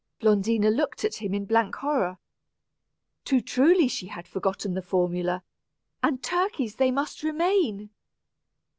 Blondina looked at him in blank horror. Too truly had she forgotten the formula, and turkeys they must remain!